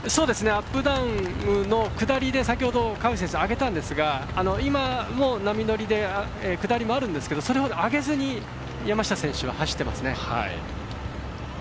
アップダウンの下りで先ほど川内選手、上げたんですが今の波乗りで下りもあるんですがそれほど上げずに山下選手は走っています。